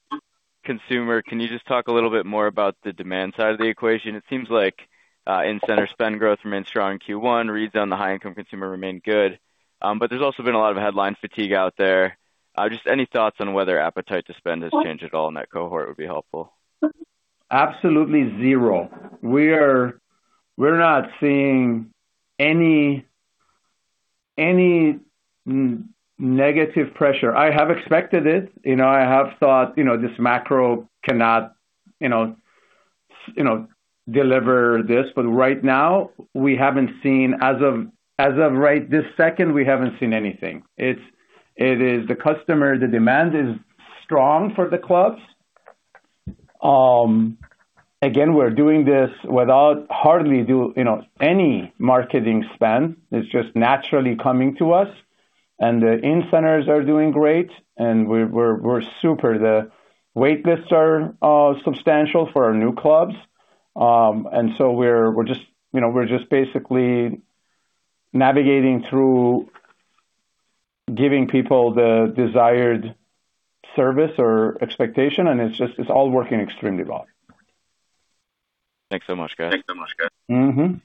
consumer, can you just talk a little bit more about the demand side of the equation? It seems like in-center spend growth remains strong in Q1. Reads on the high income consumer remain good. There's also been a lot of headline fatigue out there. Just any thoughts on whether appetite to spend has changed at all in that cohort would be helpful. Absolutely zero. We're not seeing any negative pressure. I have expected it. You know, I have thought, you know, this macro cannot, you know, deliver this. Right now, we haven't seen As of right this second, we haven't seen anything. It is the customer, the demand is strong for the clubs. Again, we're doing this without hardly, you know, any marketing spend. It's just naturally coming to us. The in-centers are doing great, and we're super. The wait lists are substantial for our new clubs. We're just, you know, basically navigating through giving people the desired service or expectation, and it's just, it's all working extremely well. Thanks so much, guys. Mmh.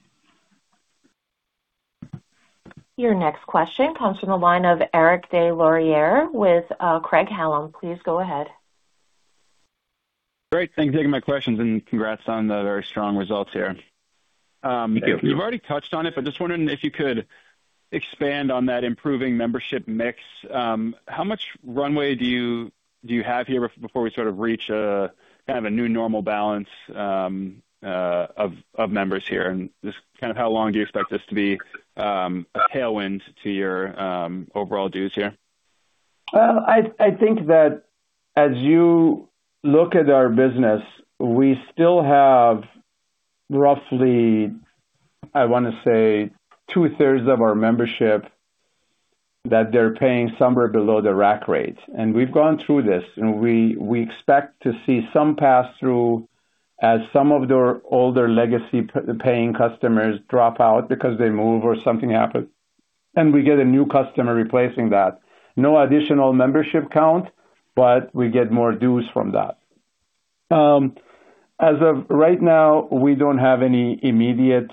Your next question comes from the line of Eric Des Lauriers with, Craig-Hallum. Please go ahead. Great. Thanks for taking my questions, and congrats on the very strong results here. Thank you. You've already touched on it, but just wondering if you could expand on that improving membership mix? How much runway do you have here before we sort of reach a kind of a new normal balance of members here? Just kind of how long do you expect this to be a tailwind to your overall dues here? I think that as you look at our business, we still have roughly, I wanna say two-thirds of our membership that they're paying somewhere below the rack rate. We've gone through this, and we expect to see some pass-through as some of their older legacy paying customers drop out because they move or something happens, and we get a new customer replacing that. No additional membership count, but we get more dues from that. As of right now, we don't have any immediate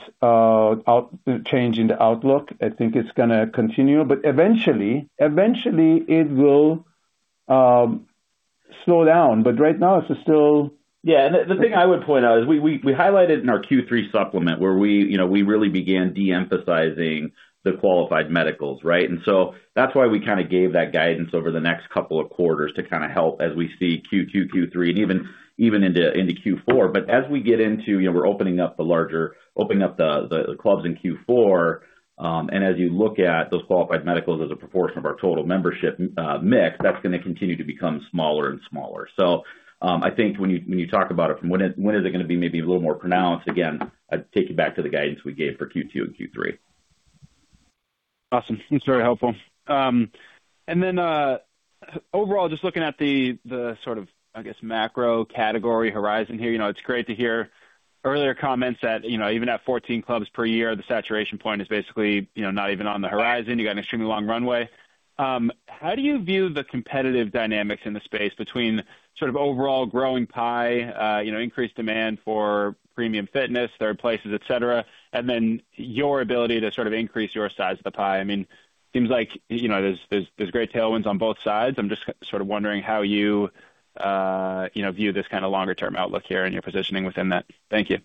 change in the outlook. I think it's gonna continue. Eventually, eventually it will slow down. Right now it's still. Yeah. The thing I would point out is we highlighted in our Q3 supplement where we, you know, we really began de-emphasizing the qualified medicals, right? That's why we kinda gave that guidance over the next couple of quarters to kinda help as we see Q2, Q3, and even into Q4. As we get into, you know, we're opening up the clubs in Q4, and as you look at those qualified medicals as a proportion of our total membership mix, that's gonna continue to become smaller and smaller. I think when you talk about it from when is, when is it gonna be maybe a little more pronounced, again, I'd take you back to the guidance we gave for Q2 and Q3. Awesome. That's very helpful. Then, overall, just looking at the sort of, I guess, macro category horizon here, you know, it's great to hear earlier comments that, you know, even at 14 clubs per year, the saturation point is basically, you know, not even on the horizon. You got an extremely long runway. How do you view the competitive dynamics in the space between sort of overall growing pie, you know, increased demand for premium fitness, third places, et cetera, and then your ability to sort of increase your size of the pie? I mean, seems like, you know, there's great tailwinds on both sides. I'm just sort of wondering how you know, view this kind of longer term outlook here and your positioning within that. Thank you.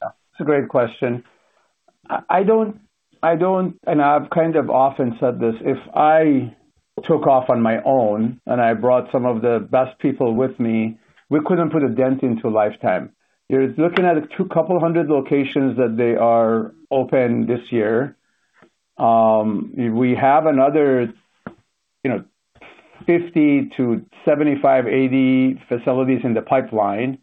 Yeah, it's a great question. I don't, and I've kind of often said this, if I took off on my own and I brought some of the best people with me, we couldn't put a dent into Life Time. You're looking at a couple hundred locations that they are open this year. We have another, you know, 50 to 75, 80 facilities in the pipeline.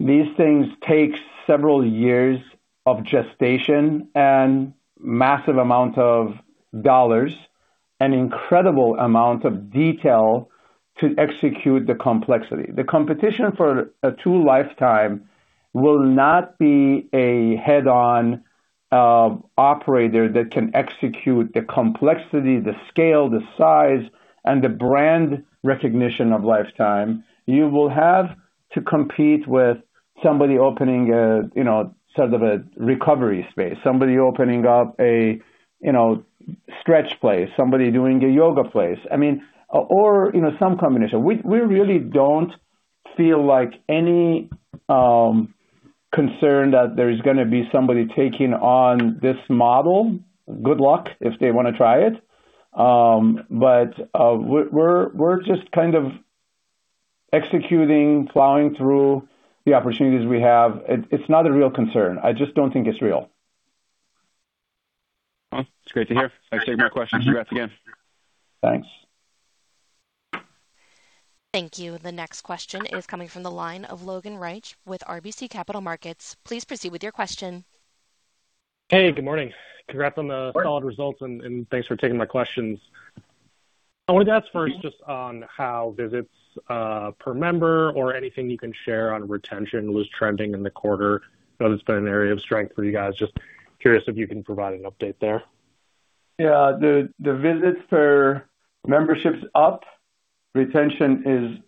These things take several years of gestation and massive amount of dollars, an incredible amount of detail to execute the complexity. The competition for Life Time will not be a head-on operator that can execute the complexity, the scale, the size, and the brand recognition of Life Time. You will have to compete with somebody opening a, you know, sort of a recovery space, somebody opening up a, you know, stretch place, somebody doing a yoga place. I mean, you know, some combination. We really don't feel like any concern that there's gonna be somebody taking on this model. Good luck if they wanna try it. We're just kind of executing, plowing through the opportunities we have. It's not a real concern. I just don't think it's real. Well, it's great to hear. Thanks for taking my questions. Congrats again. Thanks. Thank you. The next question is coming from the line of Logan Reich with RBC Capital Markets. Please proceed with your question. Hey, good morning. Congrats on the- Good morning. Solid results, and thanks for taking my questions. I wanted to ask first just on how visits per member or anything you can share on retention was trending in the quarter. I know that's been an area of strength for you guys. I'm just curious if you can provide an update there. Yeah. The visits per membership's up. Retention is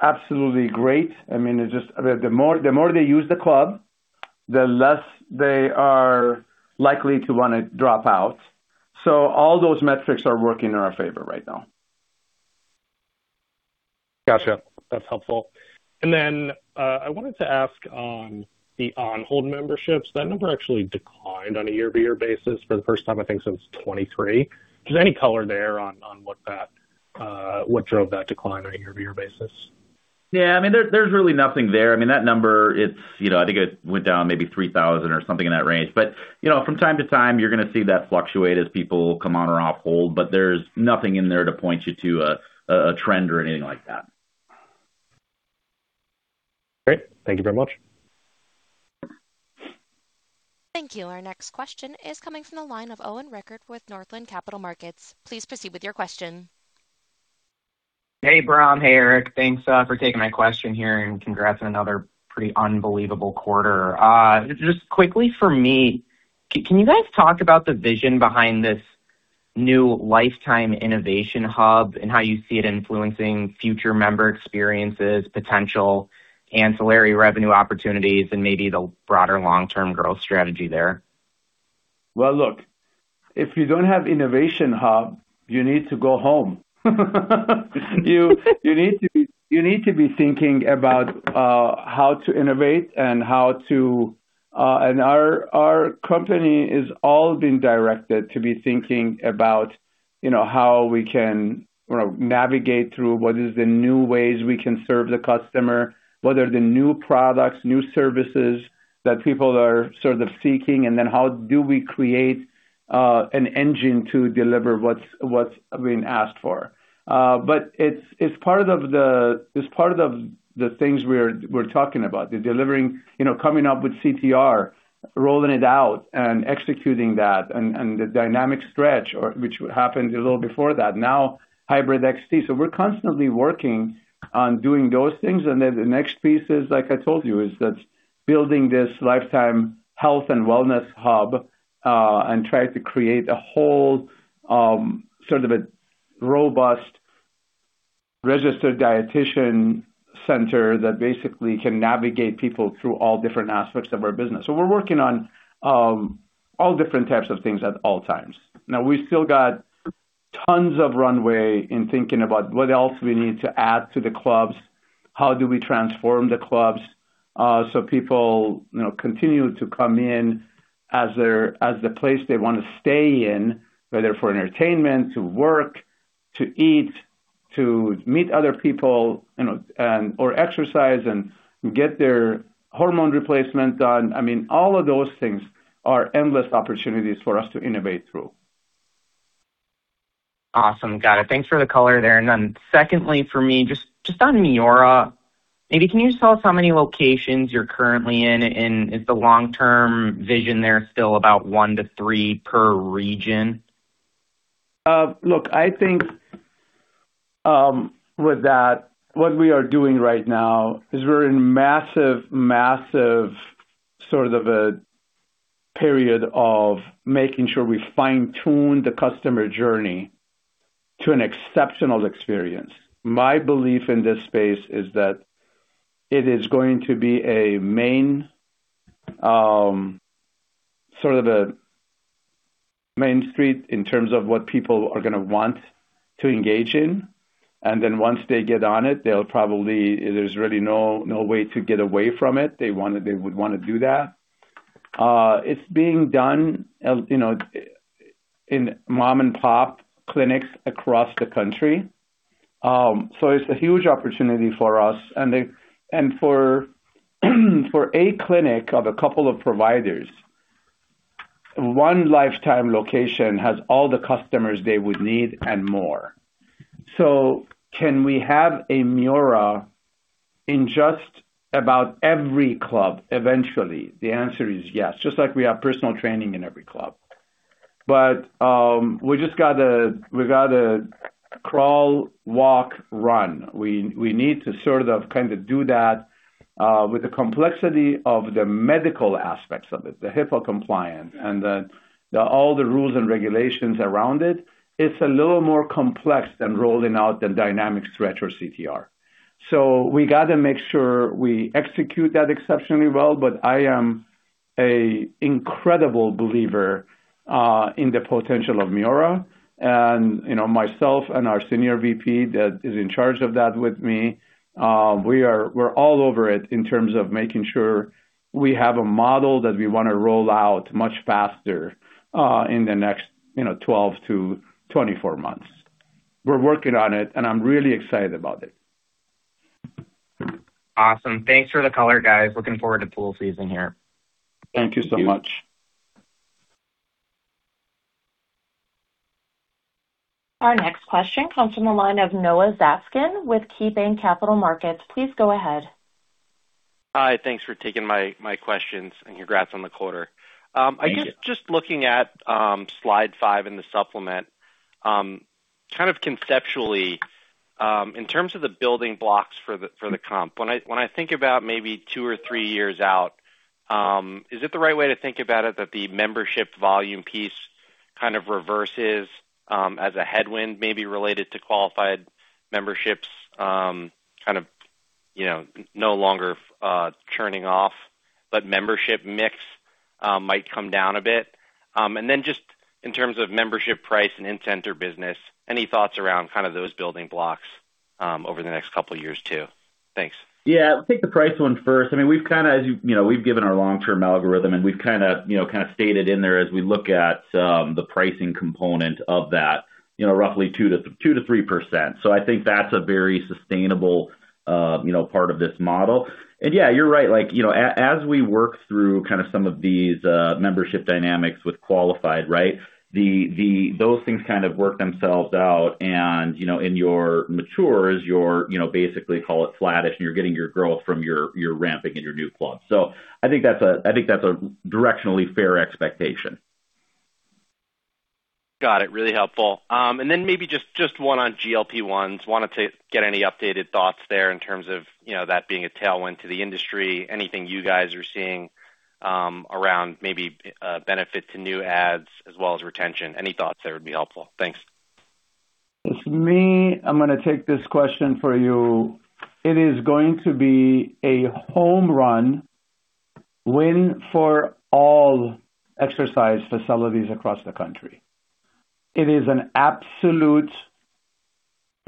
absolutely great. I mean, the more they use the club, the less they are likely to wanna drop out. All those metrics are working in our favor right now. Gotcha. That's helpful. I wanted to ask on the on-hold memberships. That number actually declined on a year-over-year basis for the first time I think since 2023. Just any color there on what that, what drove that decline on a year-over-year basis? Yeah, I mean, there's really nothing there. I mean, that number, it's, you know, I think it went down maybe 3,000 or something in that range. You know, from time to time, you're gonna see that fluctuate as people come on or off hold, but there's nothing in there to point you to a trend or anything like that. Great. Thank you very much. Thank you. Our next question is coming from the line of Owen Rickert with Northland Capital Markets. Please proceed with your question. Hey, Bahram. Hey, Erik. Thanks for taking my question here, and congrats on another pretty unbelievable quarter. Just quickly for me, can you guys talk about the vision behind this new Life Time Innovation Hub and how you see it influencing future member experiences, potential ancillary revenue opportunities, and maybe the broader long-term growth strategy there? Well, look, if you don't have Life Time Innovation Hub, you need to go home. You need to be thinking about how to innovate. Our company is all been directed to be thinking about, you know, how we can, you know, navigate through what is the new ways we can serve the customer, what are the new products, new services that people are sort of seeking, and then how do we create an engine to deliver what's been asked for. It's part of the things we're talking about, delivering, you know, coming up with CTR, rolling it out, and executing that and the Dynamic Stretch, or which happened a little before that. Now HYBRID XT. We're constantly working on doing those things. The next piece is, like I told you, is that building this Life Time health and wellness hub, and try to create a whole sort of a robust registered dietician center that basically can navigate people through all different aspects of our business. We're working on all different types of things at all times. Now, we've still got tons of runway in thinking about what else we need to add to the clubs. How do we transform the clubs, so people, you know, continue to come in as the place they wanna stay in, whether for entertainment, to work, to eat, to meet other people, you know, or exercise and get their hormone replacement done. I mean, all of those things are endless opportunities for us to innovate through. Awesome. Got it. Thanks for the color there. Then secondly, for me, just on MIORA, maybe can you just tell us how many locations you're currently in? Is the long-term vision there still about one to three per region? Look, I think, with that, what we are doing right now is we're in massive sort of a period of making sure we fine-tune the customer journey to an exceptional experience. My belief in this space is that it is going to be a main sort of a main street in terms of what people are gonna want to engage in. Once they get on it, they'll probably there's really no way to get away from it. They would wanna do that. It's being done, you know, in mom-and-pop clinics across the country. It's a huge opportunity for us. For a clinic of a couple of providers, one Life Time location has all the customers they would need and more. Can we have a MIORA in just about every club eventually? The answer is yes, just like we have personal training in every club. We gotta crawl, walk, run. We need to sort of, kind of do that with the complexity of the medical aspects of it, the HIPAA compliance and all the rules and regulations around it. It's a little more complex than rolling out the Dynamic Stretch or CTR. We gotta make sure we execute that exceptionally well, but I am a incredible believer in the potential of MIORA and, you know, myself and our senior VP that is in charge of that with me, we're all over it in terms of making sure we have a model that we wanna roll out much faster in the next, you know, 12-24 months. We're working on it, and I'm really excited about it. Awesome. Thanks for the color, guys. Looking forward to pool season here. Thank you so much. Our next question comes from the line of Noah Zatzkin with KeyBanc Capital Markets. Please go ahead. Hi. Thanks for taking my questions, congrats on the quarter. Thank you. I guess just looking at slide five in the supplement, conceptually, in terms of the building blocks for the, for the comp, when I think about maybe two or three years out, is it the right way to think about it that the membership volume piece reverses as a headwind maybe related to qualified memberships, no longer churning off, but membership mix might come down a bit? Then just in terms of membership price and incentive business, any thoughts around those building blocks over the next couple of years too? Thanks. Yeah. I'll take the price one first. I mean, we've kinda, you know, we've given our long-term algorithm, and we've kinda, you know, stated in there as we look at the pricing component of that, you know, roughly 2% to 3%. I think that's a very sustainable, you know, part of this model. Yeah, you're right. Like, you know, as we work through kinda some of these membership dynamics with qualified, right? Those things kind of work themselves out and, you know, in your matures, your, you know, basically call it flattish, and you're getting your growth from your ramping and your new clubs. I think that's a directionally fair expectation. Got it. Really helpful. Then maybe just one on GLP-1s. Wanted to get any updated thoughts there in terms of, you know, that being a tailwind to the industry. Anything you guys are seeing around maybe benefit to new ads as well as retention. Any thoughts there would be helpful. Thanks. It's me. I'm gonna take this question for you. It is going to be a home run win for all exercise facilities across the country. It is an absolute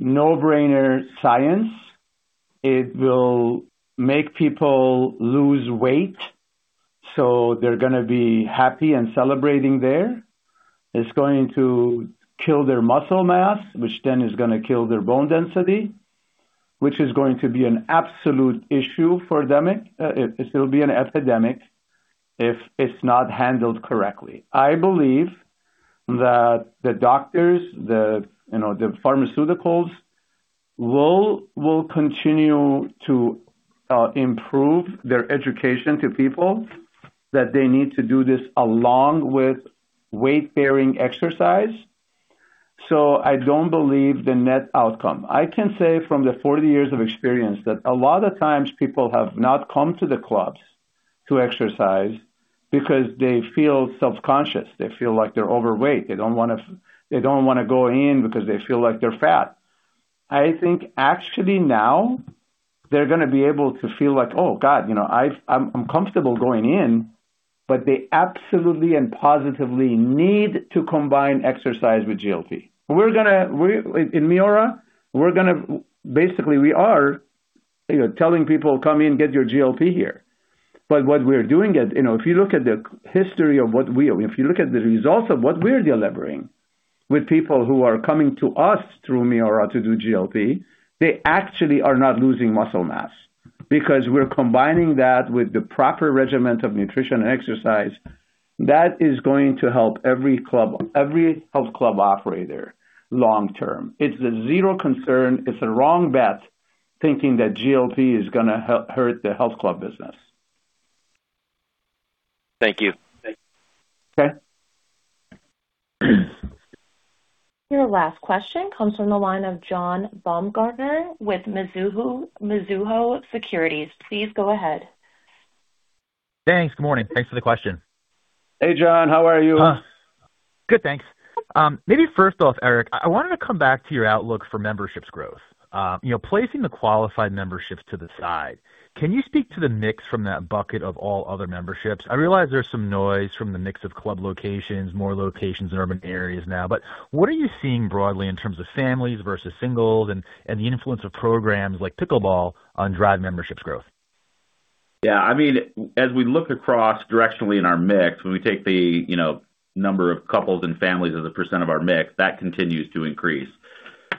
no-brainer science. It will make people lose weight, so they're gonna be happy and celebrating there. It's going to kill their muscle mass, which then is gonna kill their bone density, which is going to be an absolute issue for epidemic. It'll be an epidemic if it's not handled correctly. I believe that the doctors, the, you know, the pharmaceuticals will continue to improve their education to people, that they need to do this along with weight-bearing exercise. I don't believe the net outcome. I can say from the 40 years of experience that a lot of times people have not come to the clubs to exercise because they feel self-conscious. They feel like they're overweight. They don't wanna go in because they feel like they're fat. I think actually now they're gonna be able to feel like, "Oh, God, you know, I'm comfortable going in," but they absolutely and positively need to combine exercise with GLP. We're gonna In MIORA, we're gonna Basically, we are, you know, telling people, "Come in, get your GLP here." What we're doing it, you know, if you look at the results of what we're delivering with people who are coming to us through MIORA to do GLP, they actually are not losing muscle mass. Because we're combining that with the proper regimen of nutrition and exercise. That is going to help every club, every health club operator long term. It's a zero concern. It's a wrong bet thinking that GLP is gonna hurt the health club business. Thank you. Okay. Your last question comes from the line of John Baumgartner with Mizuho Securities. Please go ahead. Thanks. Good morning. Thanks for the question. Hey, John. How are you? Good, thanks. Maybe first off, Erik, I wanted to come back to your outlook for memberships growth. You know, placing the qualified memberships to the side, can you speak to the mix from that bucket of all other memberships? I realize there's some noise from the mix of club locations, more locations in urban areas now, but what are you seeing broadly in terms of families versus singles and the influence of programs like Pickleball on drive memberships growth? Yeah, I mean, as we look across directionally in our mix, when we take the, you know, number of couples and families as a % of our mix, that continues to increase.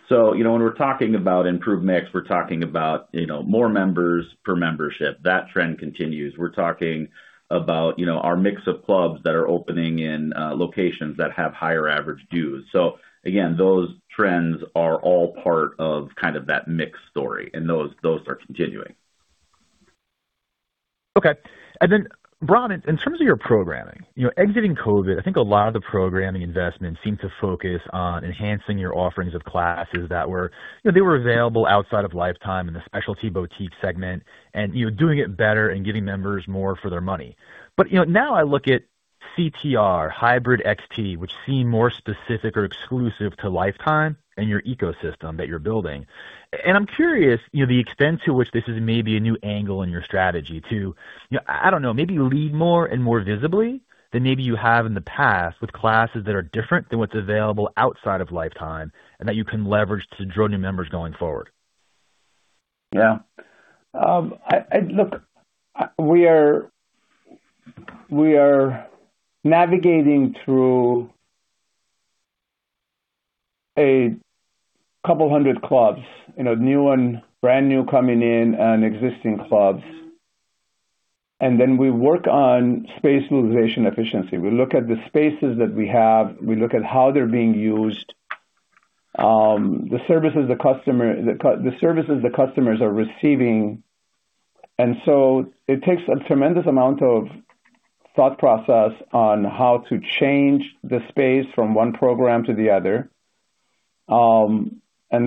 You know, when we're talking about improved mix, we're talking about, you know, more members per membership. That trend continues. We're talking about, you know, our mix of clubs that are opening in locations that have higher average dues. Again, those trends are all part of kind of that mix story, and those are continuing. Okay. Bahram, in terms of your programming, you know, exiting COVID, I think a lot of the programming investments seem to focus on enhancing your offerings of classes that were available outside of Life Time in the specialty boutique segment and, you know, doing it better and giving members more for their money. You know, now I look at CTR, HYBRID XT, which seem more specific or exclusive to Life Time and your ecosystem that you're building. I'm curious, you know, the extent to which this is maybe a new angle in your strategy to, you know, I don't know, maybe lead more and more visibly than maybe you have in the past with classes that are different than what's available outside of Life Time and that you can leverage to draw new members going forward. Yeah. We are navigating through a couple 100 clubs, you know, new one, brand new coming in and existing clubs. Then we work on space utilization efficiency. We look at the spaces that we have, we look at how they're being used, the services the customers are receiving. It takes a tremendous amount of thought process on how to change the space from one program to the other.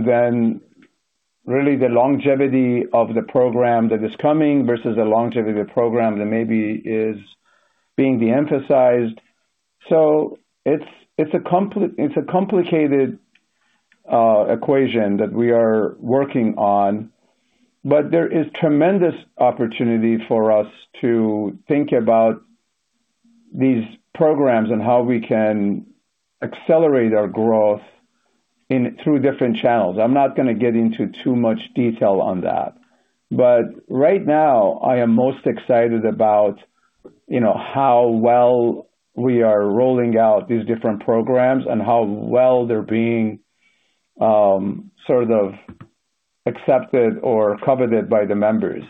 Then really the longevity of the program that is coming versus the longevity of the program that maybe is being de-emphasized. It's a complicated equation that we are working on. There is tremendous opportunity for us to think about these programs and how we can accelerate our growth through different channels. I'm not gonna get into too much detail on that. Right now, I am most excited about, you know, how well we are rolling out these different programs and how well they're being sort of accepted or coveted by the members.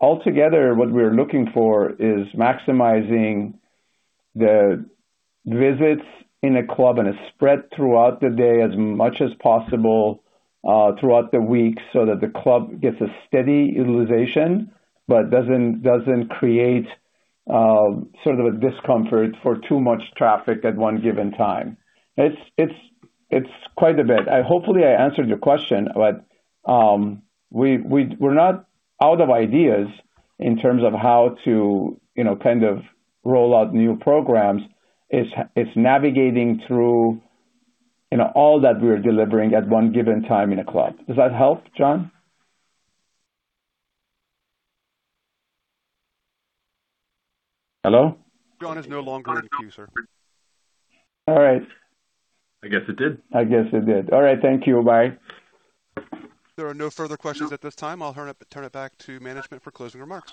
Altogether, what we're looking for is maximizing the visits in a club, and it's spread throughout the day as much as possible throughout the week so that the club gets a steady utilization, but doesn't create sort of a discomfort for too much traffic at one given time. It's quite a bit. Hopefully, I answered your question, we're not out of ideas in terms of how to, you know, kind of roll out new programs. It's navigating through, you know, all that we are delivering at one given time in a club. Does that help, John? Hello? John is no longer in queue, sir. All right. I guess it did. I guess it did. All right. Thank you. Bye. There are no further questions at this time. I'll turn it back to management for closing remarks.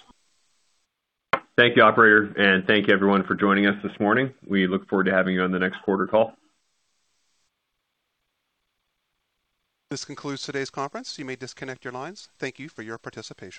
Thank you, operator, and thank you everyone for joining us this morning. We look forward to having you on the next quarter call. This concludes today's conference. You may disconnect your lines. Thank you for your participation.